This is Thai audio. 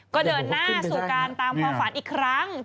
ก็เดินหน้าสู่การตามความฝันอีกครั้ง